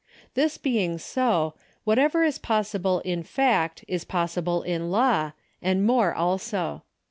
This being so, whatever is possible in fact is possible in law, and more also.